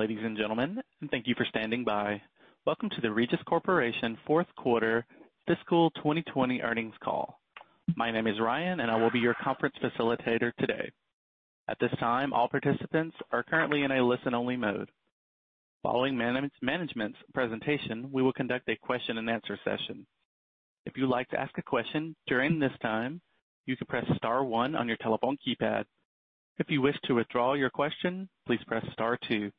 Good day, ladies, and gentlemen, and thank you for standing by. Welcome to the Regis Corporation Fourth Quarter Fiscal 2020 Earnings Call. My name is Ryan, and I will be your Conference Facilitator today. At this time, all participants are currently in a listen-only mode. Following management's presentation, we will conduct a question and answer session. If you'd like to ask a question during this time, you can press star one on your telephone keypad. If you wish to withdraw your question, please press star two.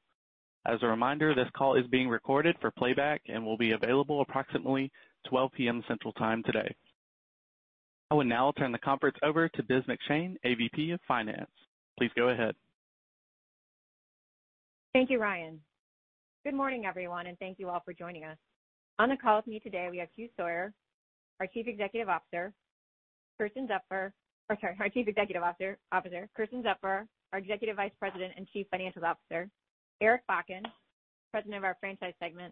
As a reminder, this call is being recorded for playback and will be available approximately 12:00 P.M. Central Time today. I will now turn the conference over to Elizabeth McShane, AVP of Finance. Please go ahead. Thank you, Ryan. Good morning, everyone, and thank you all for joining us. On the call with me today, we have Hugh Sawyer, our Chief Executive Officer, Kersten Zupfer, our Executive Vice President and Chief Financial Officer, Eric Bakken, President of our Franchise Segment,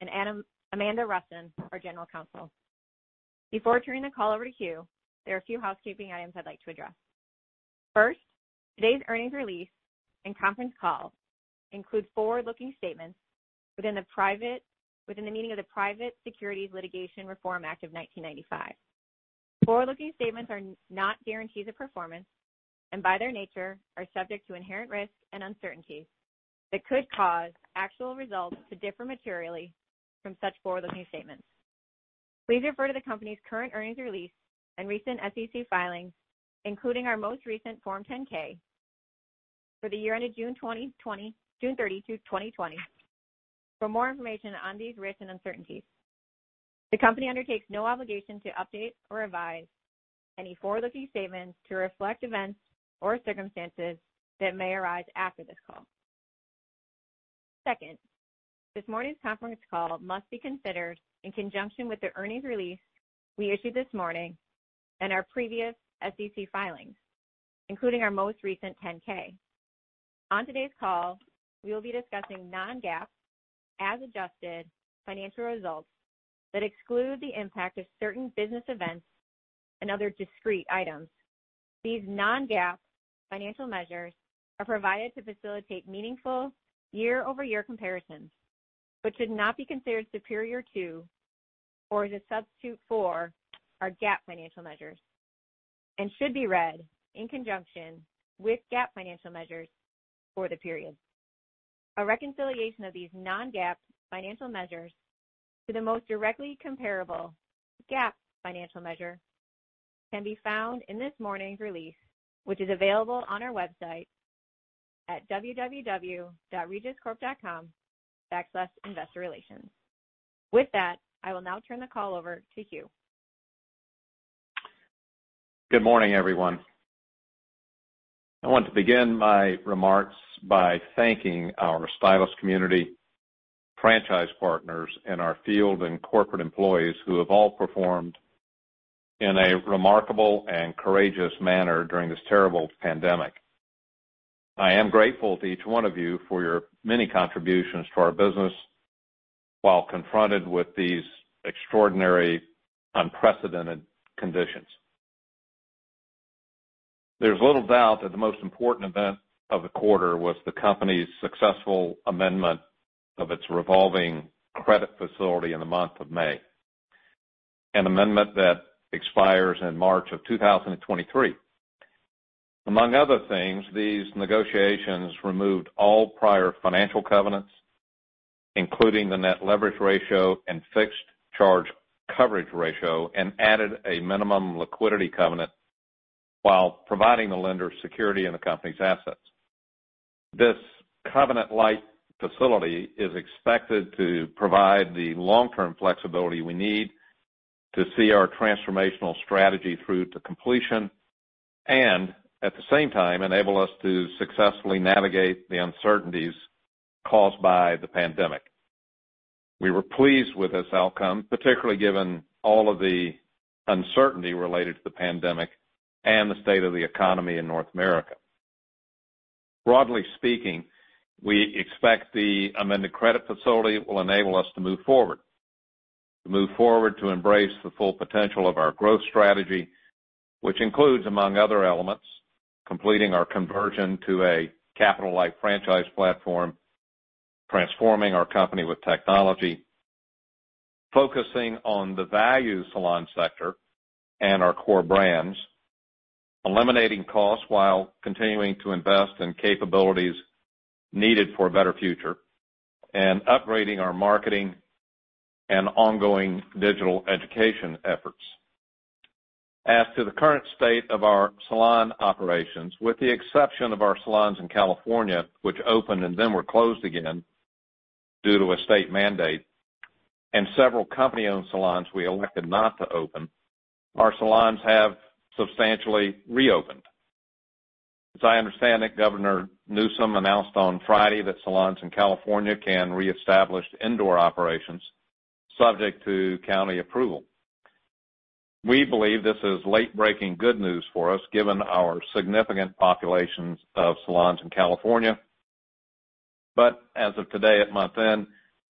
and Amanda Rusin, our General Counsel. Before turning the call over to Hugh, there are a few housekeeping items I'd like to address. First, today's earnings release and conference call include forward-looking statements within the meaning of the Private Securities Litigation Reform Act of 1995. Forward-looking statements are not guarantees of performance, and by their nature, are subject to inherent risks and uncertainties that could cause actual results to differ materially from such forward-looking statements. Please refer to the company's current earnings release and recent SEC filings, including our most recent Form 10-K for the year ended June 30, 2020, for more information on these risks and uncertainties. The company undertakes no obligation to update or revise any forward-looking statements to reflect events or circumstances that may arise after this call. Second, this morning's conference call must be considered in conjunction with the earnings release we issued this morning and our previous SEC filings, including our most recent 10-K. On today's call, we will be discussing non-GAAP, as adjusted financial results that exclude the impact of certain business events and other discrete items. These non-GAAP financial measures are provided to facilitate meaningful year-over-year comparisons, but should not be considered superior to or as a substitute for our GAAP financial measures and should be read in conjunction with GAAP financial measures for the period. A reconciliation of these non-GAAP financial measures to the most directly comparable GAAP financial measure can be found in this morning's release, which is available on our website at www.regiscorp.com/investorrelations. With that, I will now turn the call over to Hugh. Good morning, everyone. I want to begin my remarks by thanking our stylist community, franchise partners, and our field and corporate employees who have all performed in a remarkable and courageous manner during this terrible pandemic. I am grateful to each one of you for your many contributions to our business while confronted with these extraordinary, unprecedented conditions. There's little doubt that the most important event of the quarter was the company's successful amendment of its revolving credit facility in the month of May, an amendment that expires in March of 2023. Among other things, these negotiations removed all prior financial covenants, including the net leverage ratio and fixed charge coverage ratio, and added a minimum liquidity covenant while providing the lender security in the company's assets. This covenant-lite facility is expected to provide the long-term flexibility we need to see our transformational strategy through to completion, and at the same time, enable us to successfully navigate the uncertainties caused by the pandemic. We were pleased with this outcome, particularly given all of the uncertainty related to the pandemic and the state of the economy in North America. Broadly speaking, we expect the amended credit facility will enable us to move forward. To move forward to embrace the full potential of our growth strategy, which includes, among other elements, completing our conversion to a capital-light franchise platform, transforming our company with technology, focusing on the value salon sector and our core brands, eliminating costs while continuing to invest in capabilities needed for a better future, and upgrading our marketing and ongoing digital education efforts. As to the current state of our salon operations, with the exception of our salons in California, which opened and then were closed again due to a state mandate, and several company-owned salons we elected not to open, our salons have substantially reopened. As I understand it, Governor Newsom announced on Friday that salons in California can reestablish indoor operations subject to county approval. We believe this is late-breaking good news for us, given our significant populations of salons in California. As of today, at month-end,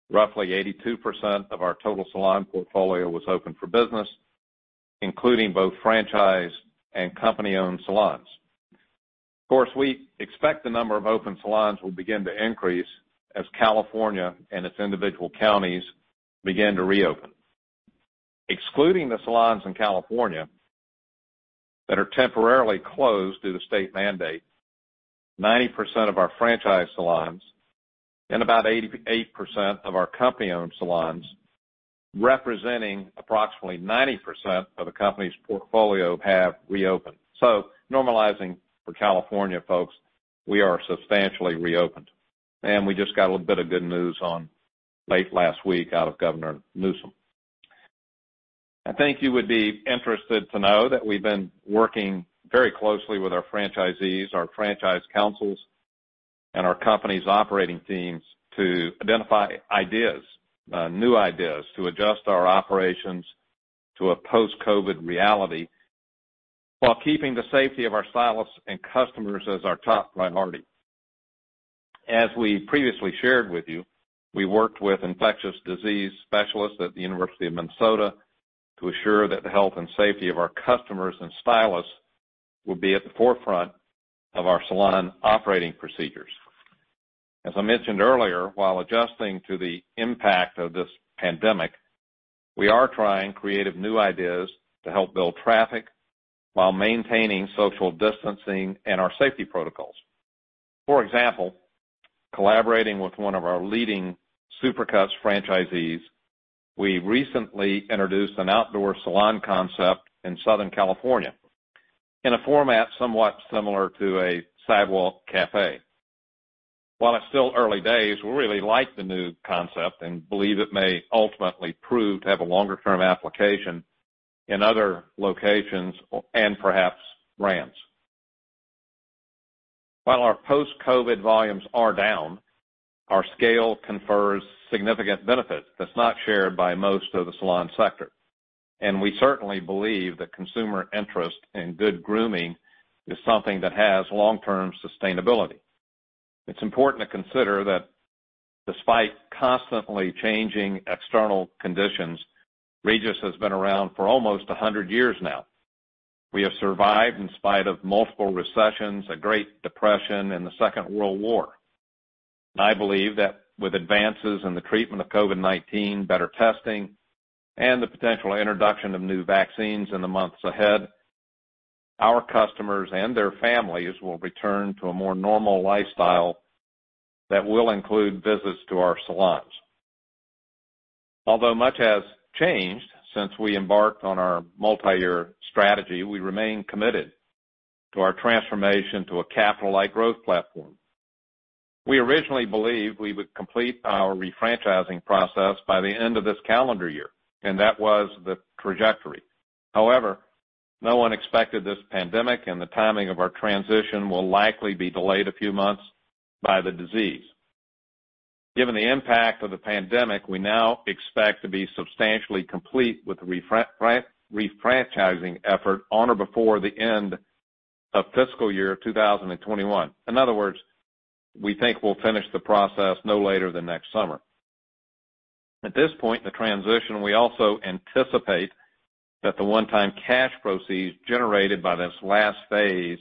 roughly 82% of our total salon portfolio was open for business. Including both franchise and company-owned salons. Of course, we expect the number of open salons will begin to increase as California and its individual counties begin to reopen. Excluding the salons in California that are temporarily closed due to state mandate, 90% of our franchise salons and about 88% of our company-owned salons, representing approximately 90% of the company's portfolio, have reopened. Normalizing for California, folks, we are substantially reopened. We just got a little bit of good news on late last week out of Governor Newsom. I think you would be interested to know that we've been working very closely with our franchisees, our franchise councils, and our company's operating teams to identify ideas, new ideas, to adjust our operations to a post-COVID reality while keeping the safety of our stylists and customers as our top priority. As we previously shared with you, we worked with infectious disease specialists at the University of Minnesota to assure that the health and safety of our customers and stylists would be at the forefront of our salon operating procedures. As I mentioned earlier, while adjusting to the impact of this pandemic, we are trying creative new ideas to help build traffic while maintaining social distancing and our safety protocols. For example, collaborating with one of our leading Supercuts franchisees, we recently introduced an outdoor salon concept in Southern California in a format somewhat similar to a sidewalk cafe. While it's still early days, we really like the new concept and believe it may ultimately prove to have a longer-term application in other locations and perhaps brands. While our post-COVID volumes are down, our scale confers significant benefit that's not shared by most of the salon sector. We certainly believe that consumer interest in good grooming is something that has long-term sustainability. It's important to consider that despite constantly changing external conditions, Regis has been around for almost 100 years now. We have survived in spite of multiple recessions, a great depression, and the Second World War. I believe that with advances in the treatment of COVID-19, better testing, and the potential introduction of new vaccines in the months ahead, our customers and their families will return to a more normal lifestyle that will include visits to our salons. Although much has changed since we embarked on our multi-year strategy, we remain committed to our transformation to a capital-light growth platform. We originally believed we would complete our re-franchising process by the end of this calendar year, and that was the trajectory. However, no one expected this pandemic, and the timing of our transition will likely be delayed a few months by the disease. Given the impact of the pandemic, we now expect to be substantially complete with the re-franchising effort on or before the end of fiscal year 2021. In other words, we think we'll finish the process no later than next summer. At this point in the transition, we also anticipate that the one-time cash proceeds generated by this last phase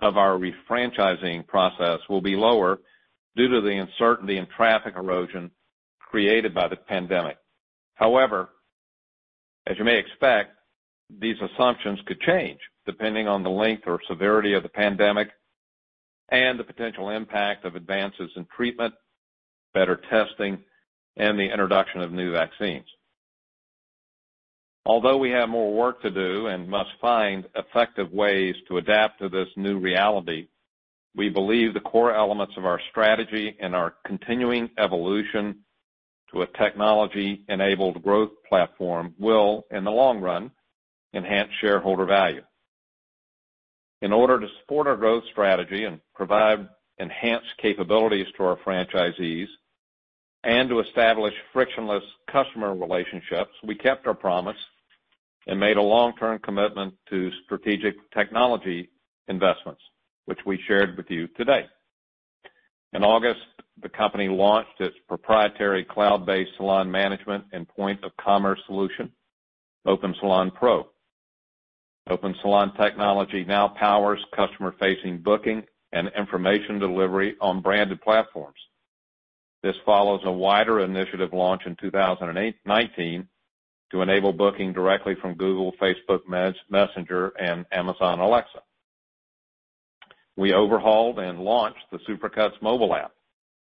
of our re-franchising process will be lower due to the uncertainty and traffic erosion created by the pandemic. However, as you may expect, these assumptions could change depending on the length or severity of the pandemic and the potential impact of advances in treatment, better testing, and the introduction of new vaccines. Although we have more work to do and must find effective ways to adapt to this new reality, we believe the core elements of our strategy and our continuing evolution to a technology-enabled growth platform will, in the long run, enhance shareholder value. In order to support our growth strategy and provide enhanced capabilities to our franchisees and to establish frictionless customer relationships, we kept our promise and made a long-term commitment to strategic technology investments, which we shared with you today. In August, the company launched its proprietary cloud-based salon management and point-of-commerce solution, Opensalon Pro. Opensalon technology now powers customer-facing booking and information delivery on branded platforms. This follows a wider initiative launch in 2019 to enable booking directly from Google, Facebook Messenger, and Amazon Alexa. We overhauled and launched the Supercuts mobile app,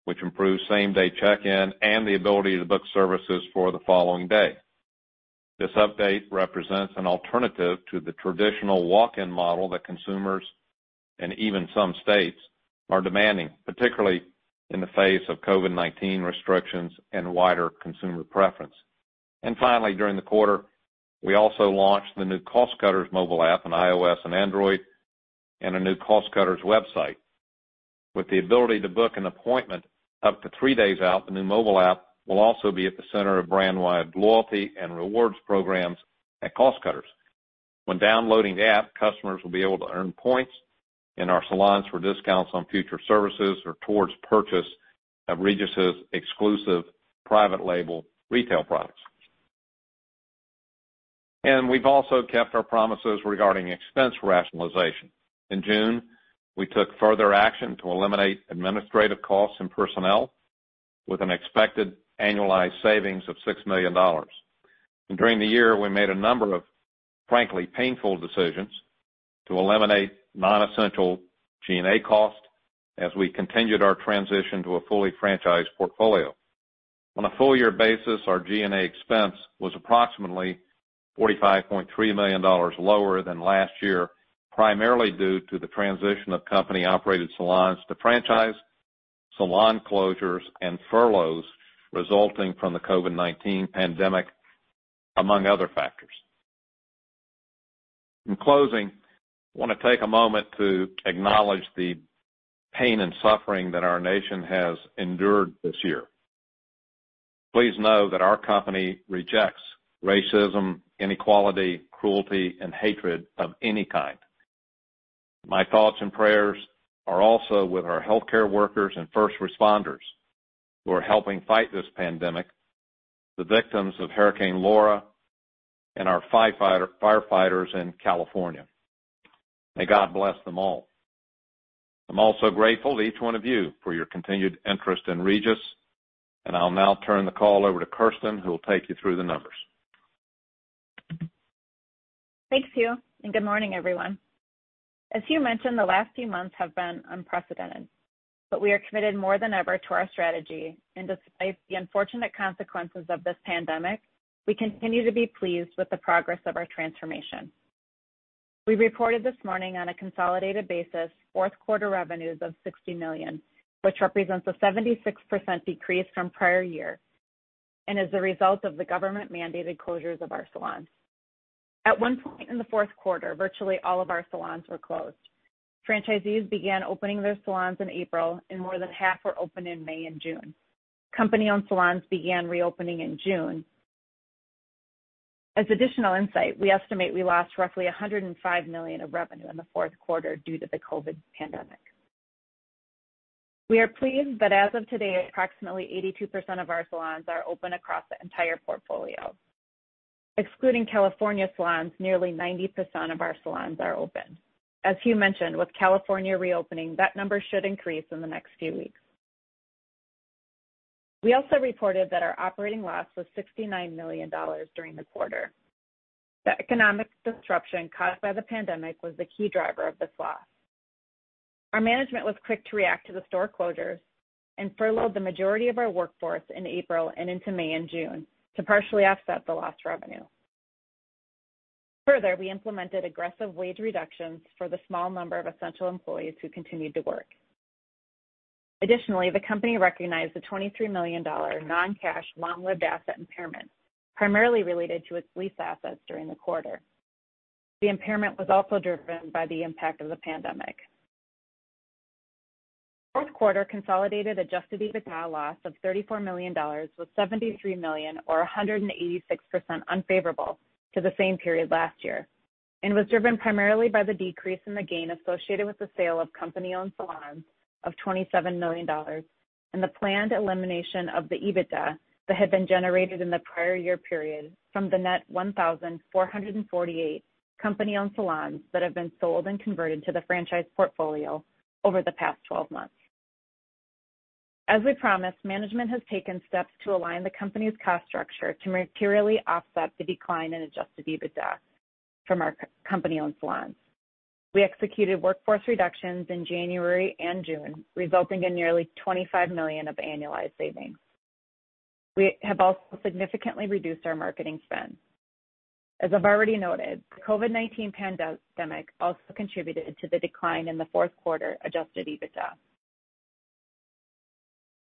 which improves same-day check-in and the ability to book services for the following day. This update represents an alternative to the traditional walk-in model that consumers, and even some states, are demanding, particularly in the face of COVID-19 restrictions and wider consumer preference. Finally, during the quarter, we also launched the new Cost Cutters mobile app on iOS and Android and a new Cost Cutters website. With the ability to book an appointment up to three days out, the new mobile app will also be at the center of brand-wide loyalty and rewards programs at Cost Cutters. When downloading the app, customers will be able to earn points in our salons for discounts on future services or towards purchase of Regis' exclusive private label retail products. We've also kept our promises regarding expense rationalization. In June, we took further action to eliminate administrative costs and personnel with an expected annualized savings of $6 million. During the year, we made a number of frankly, painful decisions to eliminate non-essential G&A cost as we continued our transition to a fully franchised portfolio. On a full year basis, our G&A expense was approximately $45.3 million lower than last year, primarily due to the transition of company-operated salons to franchise, salon closures, and furloughs resulting from the COVID-19 pandemic, among other factors. In closing, I want to take a moment to acknowledge the pain and suffering that our nation has endured this year. Please know that our company rejects racism, inequality, cruelty, and hatred of any kind. My thoughts and prayers are also with our healthcare workers and first responders who are helping fight this pandemic, the victims of Hurricane Laura, and our firefighters in California. May God bless them all. I'm also grateful to each one of you for your continued interest in Regis. I'll now turn the call over to Kersten, who will take you through the numbers. Thanks, Hugh. Good morning, everyone. As Hugh mentioned, the last few months have been unprecedented, but we are committed more than ever to our strategy. Despite the unfortunate consequences of this pandemic, we continue to be pleased with the progress of our transformation. We reported this morning on a consolidated basis fourth quarter revenues of $60 million, which represents a 76% decrease from prior year and is the result of the government-mandated closures of our salons. At one point in the fourth quarter, virtually all of our salons were closed. Franchisees began opening their salons in April, and more than half were open in May and June. Company-owned salons began reopening in June. As additional insight, we estimate we lost roughly $105 million of revenue in the fourth quarter due to the COVID pandemic. We are pleased that as of today, approximately 82% of our salons are open across the entire portfolio. Excluding California salons, nearly 90% of our salons are open. As Hugh mentioned, with California reopening, that number should increase in the next few weeks. We also reported that our operating loss was $69 million during the quarter. The economic disruption caused by the pandemic was the key driver of this loss. Our management was quick to react to the store closures and furloughed the majority of our workforce in April and into May and June to partially offset the lost revenue. Further, we implemented aggressive wage reductions for the small number of essential employees who continued to work. Additionally, the company recognized a $23 million non-cash long-lived asset impairment, primarily related to its lease assets during the quarter. The impairment was also driven by the impact of the pandemic. Fourth quarter consolidated adjusted EBITDA loss of $34 million was $73 million, or 186% unfavorable to the same period last year and was driven primarily by the decrease in the gain associated with the sale of company-owned salons of $27 million and the planned elimination of the EBITDA that had been generated in the prior year period from the net 1,448 company-owned salons that have been sold and converted to the franchise portfolio over the past 12 months. As we promised, management has taken steps to align the company's cost structure to materially offset the decline in adjusted EBITDA from our company-owned salons. We executed workforce reductions in January and June, resulting in nearly $25 million of annualized savings. We have also significantly reduced our marketing spend. As I've already noted, the COVID-19 pandemic also contributed to the decline in the fourth quarter adjusted EBITDA.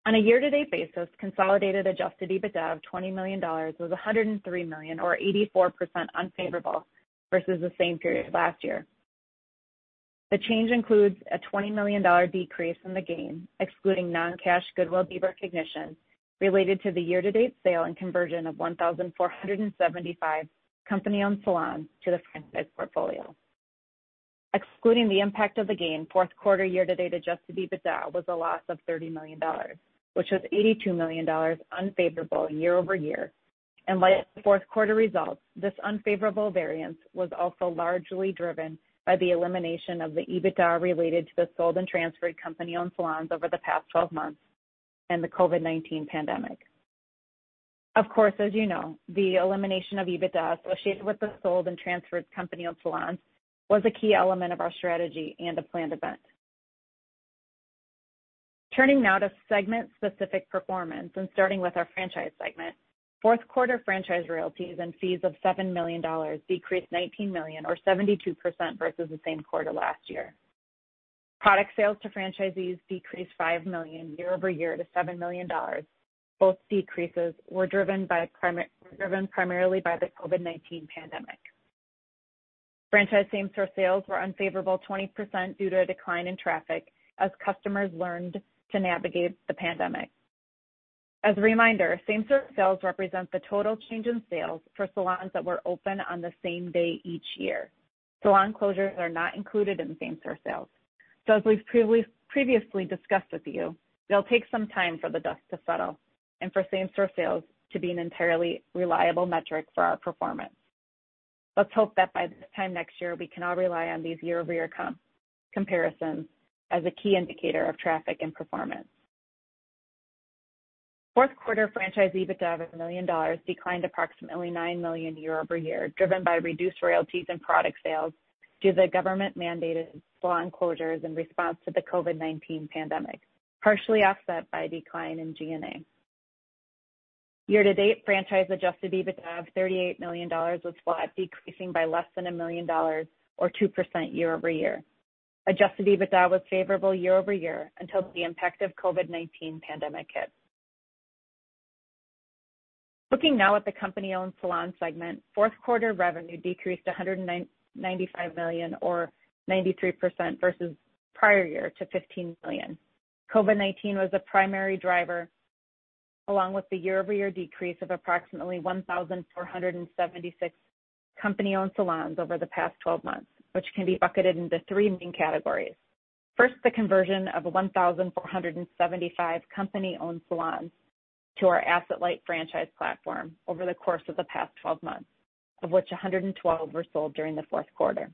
On a year-to-date basis, consolidated adjusted EBITDA of $20 million was $103 million, or 84% unfavorable versus the same period last year. The change includes a $20 million decrease in the gain, excluding non-cash goodwill recognition, related to the year-to-date sale and conversion of 1,475 company-owned salons to the franchise portfolio. Excluding the impact of the gain, fourth quarter year-to-date adjusted EBITDA was a loss of $30 million, which was $82 million unfavorable year-over-year. Like the fourth quarter results, this unfavorable variance was also largely driven by the elimination of the EBITDA related to the sold and transferred company-owned salons over the past 12 months and the COVID-19 pandemic. Of course, as you know, the elimination of EBITDA associated with the sold and transferred company-owned salons was a key element of our strategy and a planned event. Turning now to segment specific performance and starting with our franchise segment. Fourth quarter franchise royalties and fees of $7 million decreased $19 million or 72% versus the same quarter last year. Product sales to franchisees decreased $5 million year-over-year to $7 million. Both decreases were driven primarily by the COVID-19 pandemic. Franchise same-store sales were unfavorable 20% due to a decline in traffic as customers learned to navigate the pandemic. As a reminder, same-store sales represent the total change in sales for salons that were open on the same day each year. Salon closures are not included in same-store sales. As we've previously discussed with you, it'll take some time for the dust to settle and for same-store sales to be an entirely reliable metric for our performance. Let's hope that by this time next year, we can all rely on these year-over-year comparisons as a key indicator of traffic and performance. Fourth quarter franchise EBITDA of $1 million declined approximately $9 million year-over-year, driven by reduced royalties and product sales due to the government mandated salon closures in response to the COVID-19 pandemic, partially offset by a decline in G&A. Year-to-date, franchise adjusted EBITDA of $38 million was flat, decreasing by less than $1 million, or 2% year-over-year. Adjusted EBITDA was favorable year-over-year until the impact of COVID-19 pandemic hit. Looking now at the company-owned salon segment, fourth quarter revenue decreased to $195 million, or 93% versus prior year to $15 million. COVID-19 was a primary driver, along with the year-over-year decrease of approximately 1,476 company-owned salons over the past 12 months, which can be bucketed into three main categories. First, the conversion of 1,475 company-owned salons to our asset-light franchise platform over the course of the past 12 months, of which 112 were sold during the fourth quarter.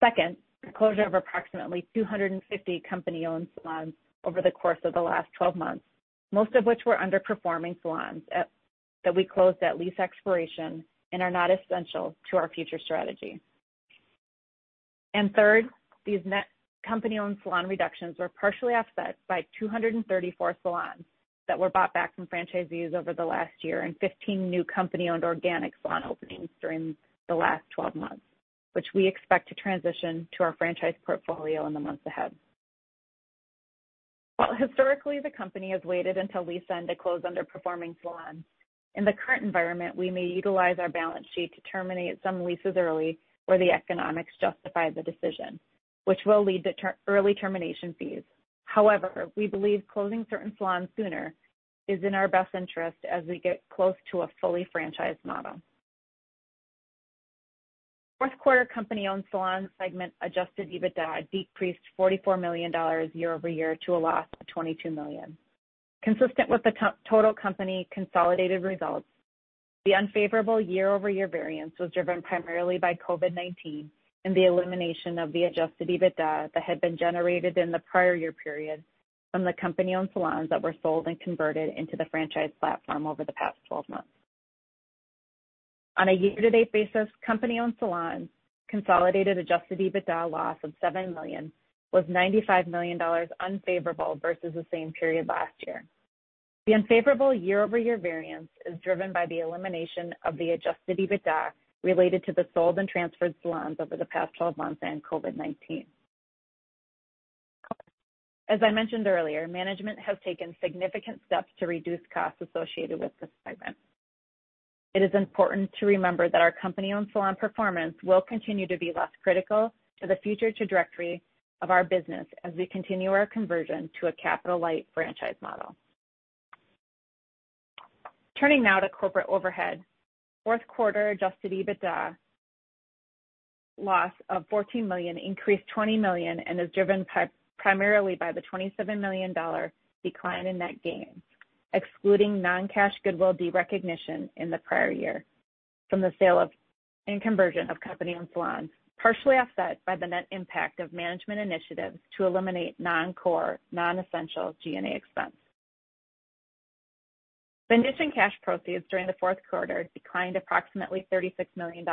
Second, the closure of approximately 250 company-owned salons over the course of the last 12 months, most of which were underperforming salons that we closed at lease expiration and are not essential to our future strategy. Third, these net company-owned salon reductions were partially offset by 234 salons that were bought back from franchisees over the last year and 15 new company-owned organic salon openings during the last 12 months, which we expect to transition to our franchise portfolio in the months ahead. While historically the company has waited until lease end to close underperforming salons, in the current environment, we may utilize our balance sheet to terminate some leases early where the economics justify the decision, which will lead to early termination fees. However, we believe closing certain salons sooner is in our best interest as we get close to a fully franchised model. Fourth quarter company-owned salon segment adjusted EBITDA decreased $44 million year-over-year to a loss of $22 million. Consistent with the total company consolidated results, the unfavorable year-over-year variance was driven primarily by COVID-19 and the elimination of the adjusted EBITDA that had been generated in the prior year period from the company-owned salons that were sold and converted into the franchise platform over the past 12 months. On a year-to-date basis, company-owned salons consolidated adjusted EBITDA loss of $7 million was $95 million unfavorable versus the same period last year. The unfavorable year-over-year variance is driven by the elimination of the adjusted EBITDA related to the sold and transferred salons over the past 12 months and COVID-19. As I mentioned earlier, management has taken significant steps to reduce costs associated with this segment. It is important to remember that our company-owned salon performance will continue to be less critical to the future trajectory of our business as we continue our conversion to a capital light franchise model. Turning now to corporate overhead. Fourth quarter adjusted EBITDA loss of $14 million increased $20 million and is driven primarily by the $27 million decline in net gains, excluding non-cash goodwill derecognition in the prior year from the sale of and conversion of company-owned salons, partially offset by the net impact of management initiatives to eliminate non-core, non-essential G&A expense. Franchising cash proceeds during the fourth quarter declined approximately $36 million,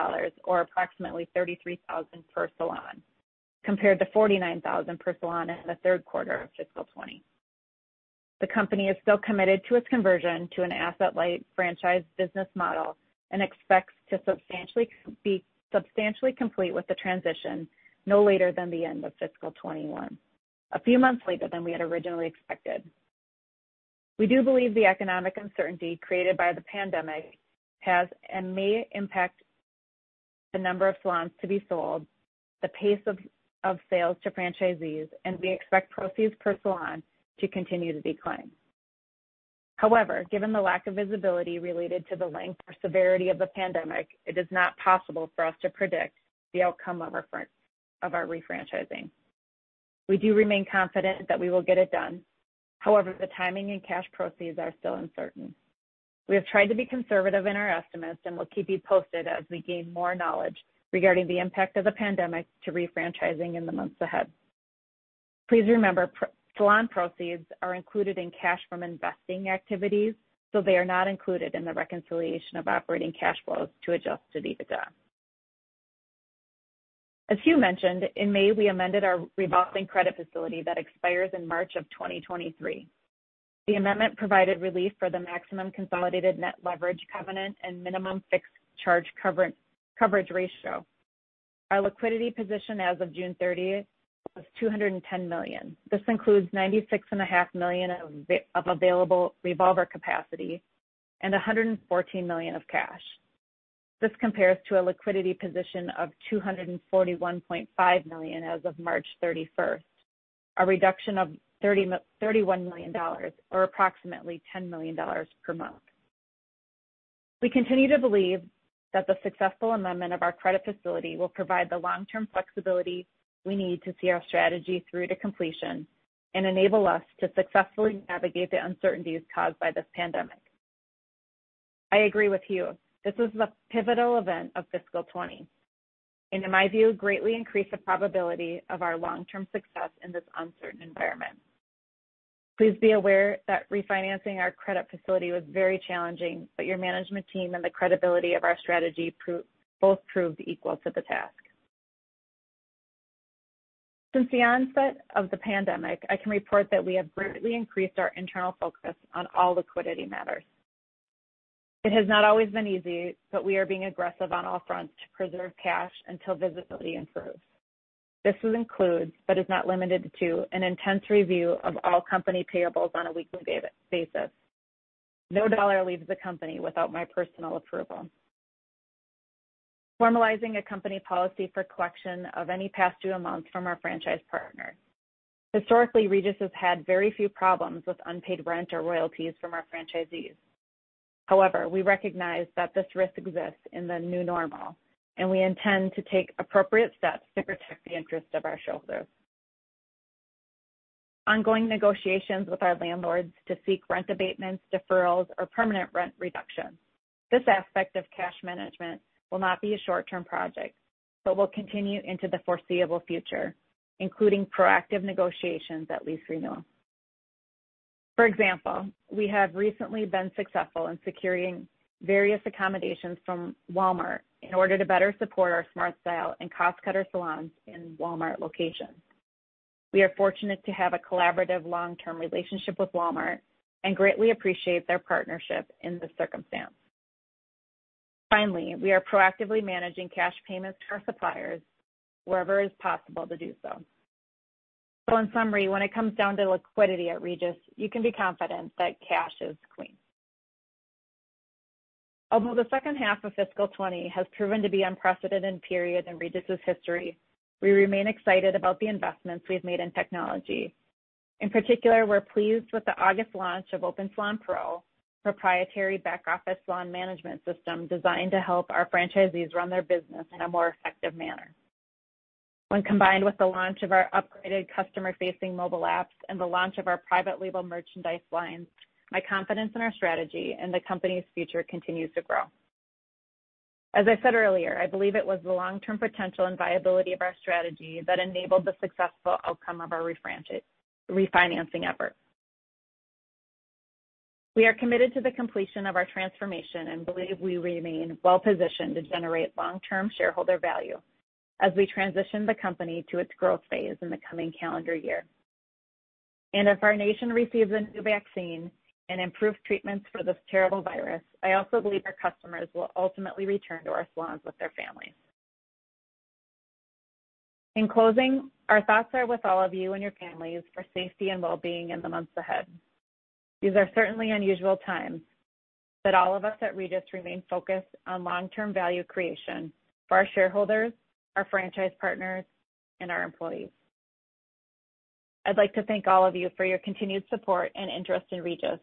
or approximately $33,000 per salon, compared to $49,000 per salon in the third quarter of fiscal 2020. The company is still committed to its conversion to an asset light franchise business model and expects to be substantially complete with the transition no later than the end of fiscal 2021, a few months later than we had originally expected. We do believe the economic uncertainty created by the pandemic has and may impact the number of salons to be sold, the pace of sales to franchisees, and we expect proceeds per salon to continue to decline. Given the lack of visibility related to the length or severity of the pandemic, it is not possible for us to predict the outcome of our refranchising. We do remain confident that we will get it done. The timing and cash proceeds are still uncertain. We have tried to be conservative in our estimates and will keep you posted as we gain more knowledge regarding the impact of the pandemic to refranchising in the months ahead. Please remember, salon proceeds are included in cash from investing activities, so they are not included in the reconciliation of operating cash flows to adjust to EBITDA. As Hugh mentioned, in May, we amended our revolving credit facility that expires in March of 2023. The amendment provided relief for the maximum consolidated net leverage covenant and minimum fixed charge coverage ratio. Our liquidity position as of June 30th was $210 million. This includes $96.5 million of available revolver capacity and $114 million of cash. This compares to a liquidity position of $241.5 million as of March 31st, a reduction of $31 million or approximately $10 million per month. We continue to believe that the successful amendment of our credit facility will provide the long-term flexibility we need to see our strategy through to completion and enable us to successfully navigate the uncertainties caused by this pandemic. I agree with Hugh. This is the pivotal event of fiscal 2020, and in my view, greatly increased the probability of our long-term success in this uncertain environment. Please be aware that refinancing our credit facility was very challenging, but your management team and the credibility of our strategy both proved equal to the task. Since the onset of the pandemic, I can report that we have greatly increased our internal focus on all liquidity matters. It has not always been easy, but we are being aggressive on all fronts to preserve cash until visibility improves. This includes, but is not limited to, an intense review of all company payables on a weekly basis. No dollar leaves the company without my personal approval. Formalizing a company policy for collection of any past due amounts from our franchise partners. Historically, Regis has had very few problems with unpaid rent or royalties from our franchisees. However, we recognize that this risk exists in the new normal, and we intend to take appropriate steps to protect the interest of our shareholders. Ongoing negotiations with our landlords to seek rent abatements, deferrals, or permanent rent reductions. This aspect of cash management will not be a short-term project, but will continue into the foreseeable future, including proactive negotiations at lease renewal. For example, we have recently been successful in securing various accommodations from Walmart in order to better support our SmartStyle and Cost Cutters salons in Walmart locations. We are fortunate to have a collaborative long-term relationship with Walmart and greatly appreciate their partnership in this circumstance. Finally, we are proactively managing cash payments to our suppliers wherever is possible to do so. In summary, when it comes down to liquidity at Regis, you can be confident that cash is queen. Although the second half of fiscal 2020 has proven to be unprecedented period in Regis's history, we remain excited about the investments we've made in technology. In particular, we're pleased with the August launch of Opensalon Pro, proprietary back office salon management system designed to help our franchisees run their business in a more effective manner. When combined with the launch of our upgraded customer-facing mobile apps and the launch of our private label merchandise lines, my confidence in our strategy and the company's future continues to grow. As I said earlier, I believe it was the long-term potential and viability of our strategy that enabled the successful outcome of our refinancing effort. We are committed to the completion of our transformation and believe we remain well positioned to generate long-term shareholder value as we transition the company to its growth phase in the coming calendar year. If our nation receives a new vaccine and improved treatments for this terrible virus, I also believe our customers will ultimately return to our salons with their families. In closing, our thoughts are with all of you and your families for safety and wellbeing in the months ahead. These are certainly unusual times, but all of us at Regis remain focused on long-term value creation for our shareholders, our franchise partners, and our employees. I'd like to thank all of you for your continued support and interest in Regis,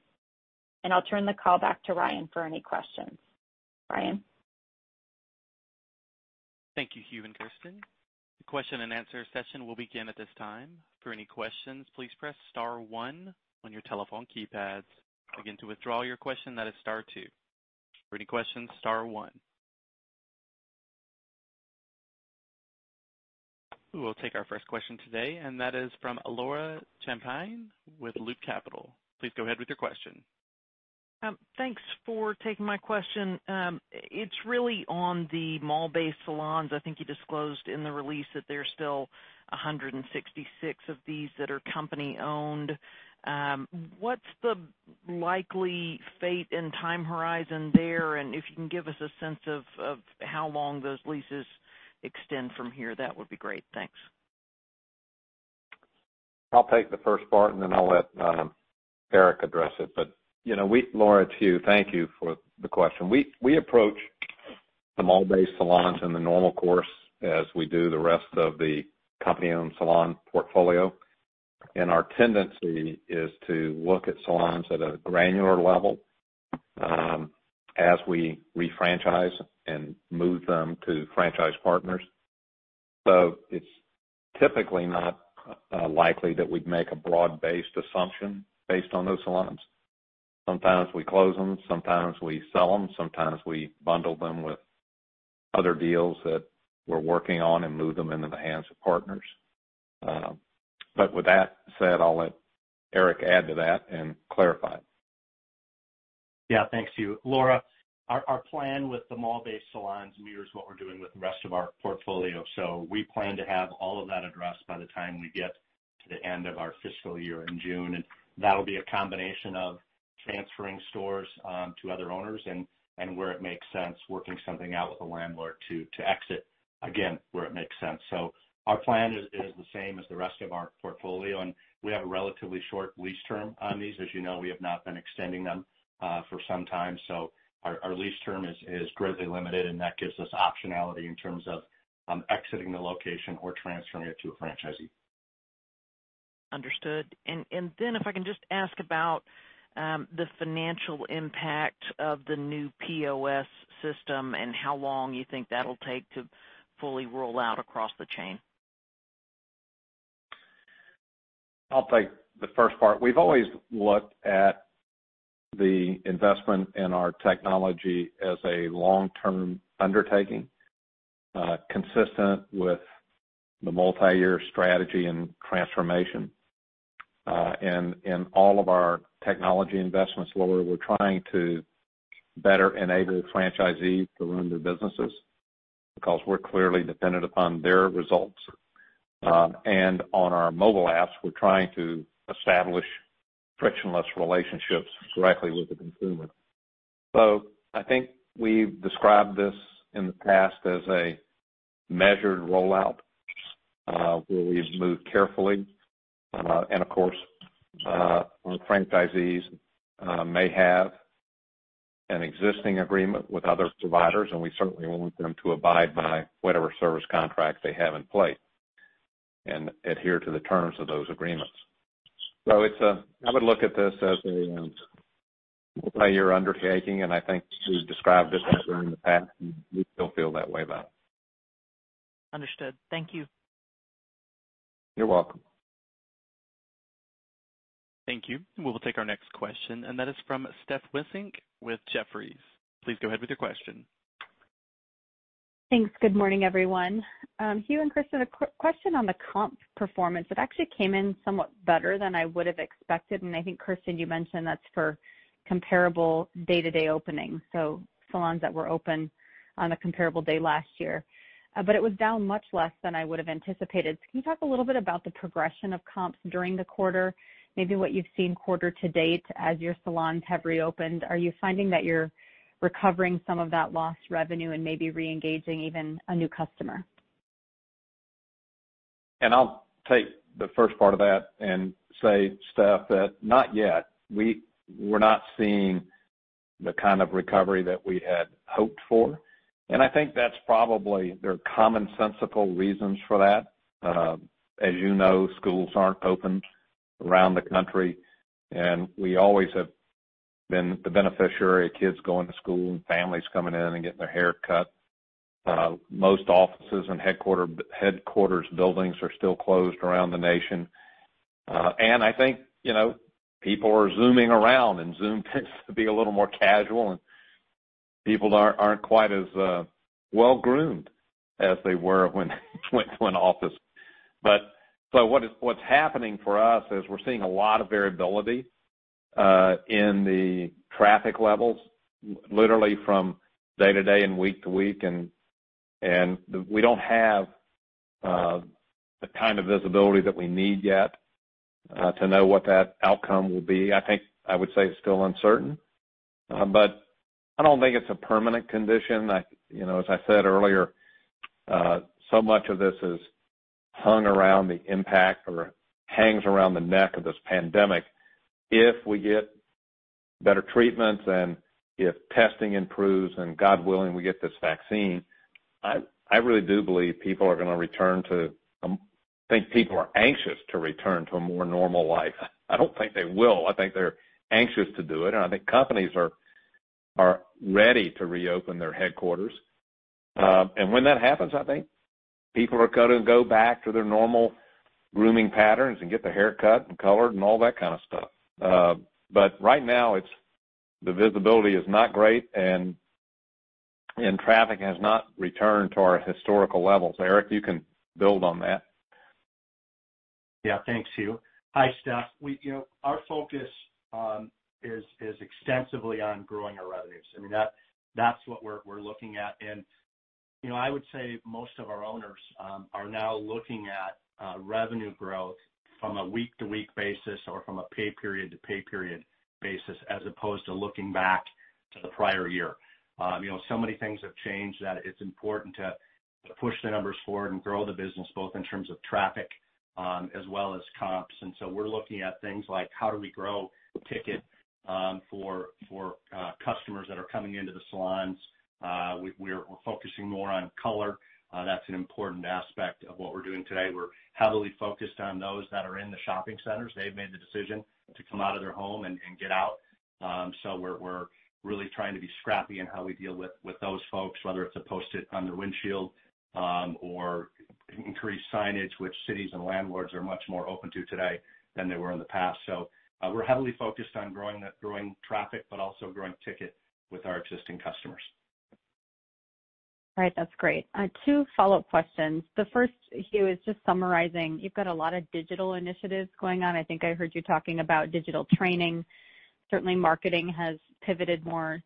and I'll turn the call back to Ryan for any questions. Ryan? Thank you, Hugh and Kersten. The question and answer session will begin at this time. For any questions, please press star one on your telephone keypads. Again, to withdraw your question, that is star two. For any questions, star one. We will take our first question today, and that is from Laura Champine with Loop Capital. Please go ahead with your question. Thanks for taking my question. It's really on the mall-based salons. I think you disclosed in the release that there's still 166 of these that are company-owned. What's the likely fate and time horizon there? If you can give us a sense of how long those leases extend from here, that would be great. Thanks. I'll take the first part, and then I'll let Eric address it. Laura to you, thank you for the question. We approach the mall-based salons in the normal course as we do the rest of the company-owned salon portfolio, and our tendency is to look at salons at a granular level, as we refranchise and move them to franchise partners. It's typically not likely that we'd make a broad-based assumption based on those salons. Sometimes we close them, sometimes we sell them, sometimes we bundle them with other deals that we're working on and move them into the hands of partners. With that said, I'll let Eric add to that and clarify. Yeah. Thanks, Hugh. Laura, our plan with the mall-based salons mirrors what we're doing with the rest of our portfolio. We plan to have all of that addressed by the time we get to the end of our fiscal year in June. That'll be a combination of transferring stores to other owners and where it makes sense, working something out with the landlord to exit, again, where it makes sense. Our plan is the same as the rest of our portfolio, and we have a relatively short lease term on these. As you know, we have not been extending them for some time, so our lease term is greatly limited, and that gives us optionality in terms of exiting the location or transferring it to a franchisee. Understood. Then if I can just ask about the financial impact of the new POS system and how long you think that'll take to fully roll out across the chain? I'll take the first part. We've always looked at the investment in our technology as a long-term undertaking, consistent with the multi-year strategy and transformation. In all of our technology investments, Laura, we're trying to better enable franchisees to run their businesses because we're clearly dependent upon their results. On our mobile apps, we're trying to establish frictionless relationships directly with the consumer. I think we've described this in the past as a measured rollout, where we've moved carefully. Of course, our franchisees may have an existing agreement with other providers, and we certainly want them to abide by whatever service contract they have in place and adhere to the terms of those agreements. I would look at this as a multi-year undertaking, and I think we've described it that way in the past, and we still feel that way about it. Understood. Thank you. You're welcome. Thank you. We will take our next question, and that is from Stephanie Wissink with Jefferies. Please go ahead with your question. Thanks. Good morning, everyone. Hugh and Kersten, a quick question on the comp performance. It actually came in somewhat better than I would have expected, and I think, Kersten, you mentioned that's for comparable day-to-day openings, so salons that were open on a comparable day last year. It was down much less than I would have anticipated. Can you talk a little bit about the progression of comps during the quarter, maybe what you've seen quarter to date as your salons have reopened? Are you finding that you're recovering some of that lost revenue and maybe reengaging even a new customer? I'll take the first part of that and say, Steph, that not yet. We're not seeing the kind of recovery that we had hoped for. I think that's probably, there are commonsensical reasons for that. As you know, schools aren't open around the country, and we always have been the beneficiary of kids going to school and families coming in and getting their haircut. Most offices and headquarters buildings are still closed around the nation. I think people are Zooming around, and Zoom tends to be a little more casual, and people aren't quite as well-groomed as they were when they went to an office. What's happening for us is we're seeing a lot of variability in the traffic levels, literally from day to day and week to week, and we don't have the kind of visibility that we need yet to know what that outcome will be. I think I would say it's still uncertain. I don't think it's a permanent condition. As I said earlier, so much of this is hung around the impact or hangs around the neck of this pandemic. If we get better treatments and if testing improves and, God willing, we get this vaccine, I really do believe people are going to return to I think people are anxious to return to a more normal life. I don't think they will. I think they're anxious to do it, and I think companies are ready to reopen their headquarters. When that happens, I think people are going to go back to their normal grooming patterns and get their haircut and colored and all that kind of stuff. Right now, the visibility is not great, and traffic has not returned to our historical levels. Eric, you can build on that. Yeah. Thanks, Hugh. Hi, Steph. Our focus is extensively on growing our revenues. I mean, that's what we're looking at. I would say most of our owners are now looking at revenue growth from a week-to-week basis or from a pay period-to-pay period basis as opposed to looking back to the prior year. Many things have changed that it's important to push the numbers forward and grow the business, both in terms of traffic as well as comps. We're looking at things like how do we grow ticket for customers that are coming into the salons? We're focusing more on color. That's an important aspect of what we're doing today. We're heavily focused on those that are in the shopping centers. They've made the decision to come out of their home and get out. We're really trying to be scrappy in how we deal with those folks, whether it's a Post-it on their windshield or increased signage, which cities and landlords are much more open to today than they were in the past. We're heavily focused on growing traffic, but also growing ticket with our existing customers. All right. That's great. Two follow-up questions. The first, Hugh, is just summarizing. You've got a lot of digital initiatives going on. I think I heard you talking about digital training. Certainly marketing has pivoted more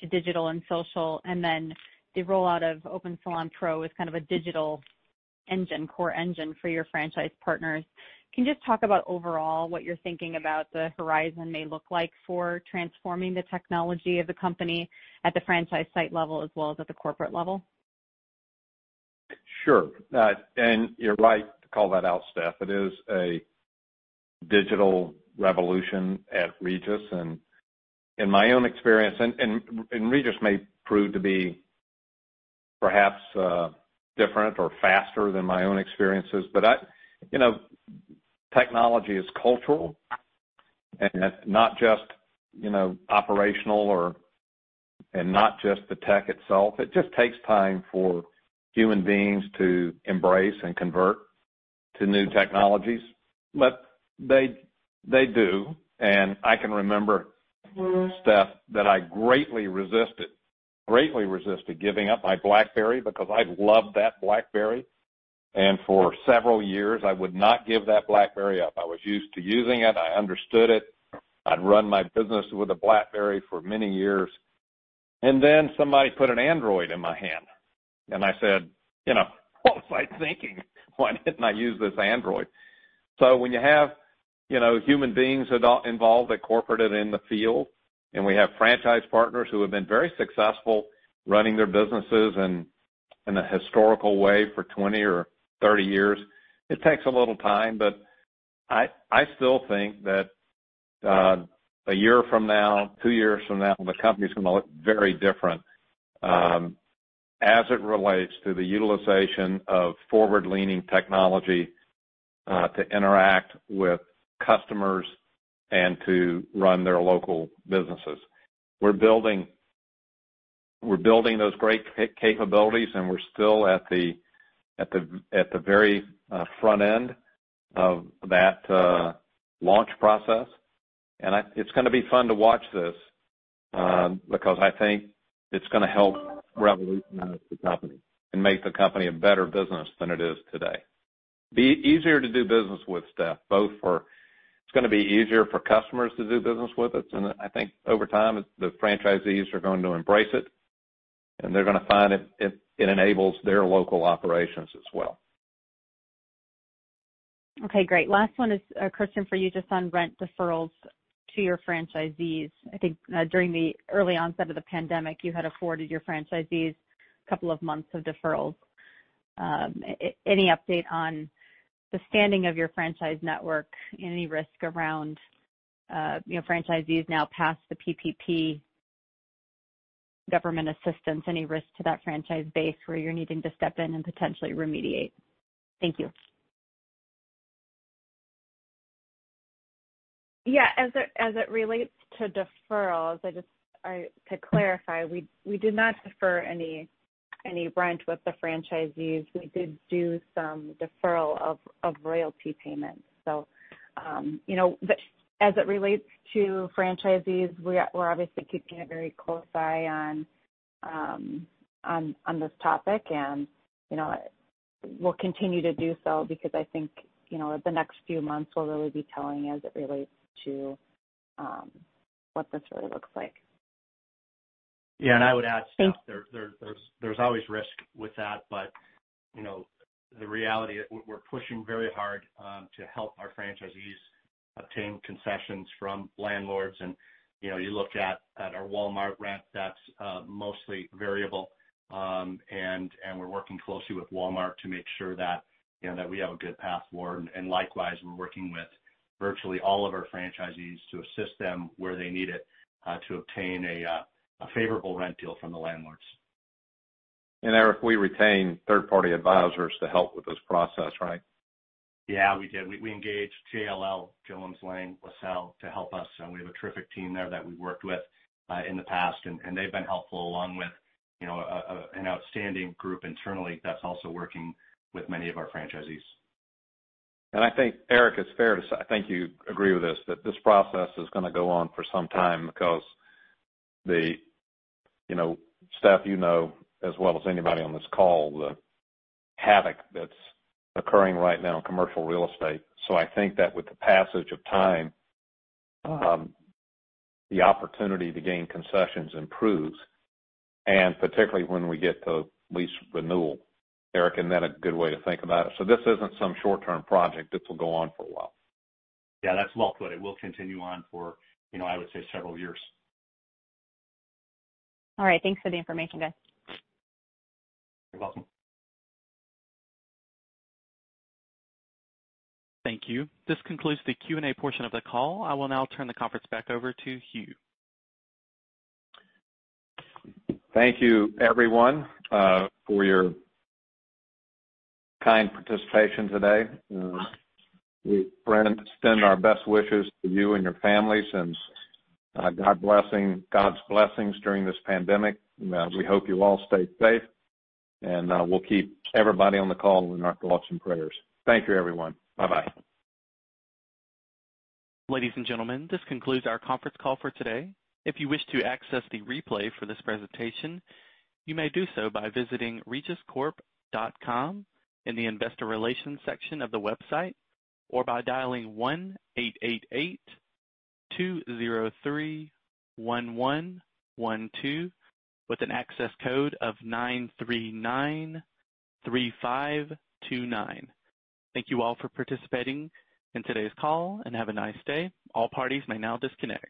to digital and social, and then the rollout of Opensalon Pro is kind of a digital engine, core engine for your franchise partners. Can you just talk about overall what you're thinking about the horizon may look like for transforming the technology of the company at the franchise site level as well as at the corporate level? Sure. You're right to call that out, Steph. It is a digital revolution at Regis, in my own experience, Regis may prove to be perhaps different or faster than my own experiences. Technology is cultural and not just operational, and not just the tech itself. It just takes time for human beings to embrace and convert to new technologies. They do. I can remember, Steph, that I greatly resisted giving up my BlackBerry because I loved that BlackBerry. For several years, I would not give that BlackBerry up. I was used to using it. I understood it. I'd run my business with a BlackBerry for many years. Somebody put an Android in my hand, and I said, "What was I thinking?, Why didn't I use this Android?" When you have human beings involved at corporate and in the field, and we have franchise partners who have been very successful running their businesses in a historical way for 20 or 30 years, it takes a little time. I still think that a year from now, two years from now, the company's going to look very different, as it relates to the utilization of forward-leaning technology, to interact with customers and to run their local businesses. We're building those great capabilities, and we're still at the very front-end of that launch process. It's going to be fun to watch this, because I think it's going to help revolutionize the company and make the company a better business than it is today. It's going to be easier for customers to do business with us, and I think over time, the franchisees are going to embrace it, and they're going to find it enables their local operations as well. Okay, great. Last one is Kersten, for you, just on rent deferrals to your franchisees. I think during the early onset of the pandemic, you had afforded your franchisees a couple of months of deferrals. Any update on the standing of your franchise network? Any risk around franchisees now past the PPP government assistance, any risk to that franchise base where you're needing to step in and potentially remediate? Thank you. Yeah, as it relates to deferrals, to clarify, we did not defer any rent with the franchisees. We did do some deferral of royalty payments. As it relates to franchisees, we're obviously keeping a very close eye on this topic, and we'll continue to do so because I think, the next few months will really be telling as it relates to what this really looks like. Yeah, I would add, Steph, there's always risk with that. The reality, we're pushing very hard to help our franchisees obtain concessions from landlords. You look at our Walmart rent, that's mostly variable. We're working closely with Walmart to make sure that we have a good path forward. Likewise, we're working with virtually all of our franchisees to assist them where they need it, to obtain a favorable rent deal from the landlords. Eric, we retained third-party advisors to help with this process, right? Yeah, we did. We engaged JLL, Jones Lang LaSalle to help us, and we have a terrific team there that we worked with in the past, and they've been helpful along with an outstanding group internally that's also working with many of our franchisees. I think Eric, it's fair to say, I think you agree with this, that this process is going to go on for some time because Steph you know as well as anybody on this call, the havoc that's occurring right now in commercial real estate. I think that with the passage of time, the opportunity to gain concessions improves, and particularly when we get to lease renewal, Eric, and then a good way to think about it. This isn't some short-term project. This will go on for a while. Yeah, that's well put. It will continue on for, I would say, several years. All right. Thanks for the information, guys. You're welcome. Thank you. This concludes the Q&A portion of the call. I will now turn the conference back over to Hugh. Thank you everyone, for your kind participation today. We extend our best wishes to you and your families, and God's blessings during this pandemic. We hope you all stay safe, and we'll keep everybody on the call in our thoughts and prayers. Thank you everyone. Bye-bye. Ladies and gentlemen, this concludes our conference call for today. If you wish to access the replay for this presentation, you may do so by visiting regiscorp.com in the investor relations section of the website or by dialing 1-888-203-1112 with an access code of 9393529. Thank you all for participating in today's call and have a nice day. All parties may now disconnect.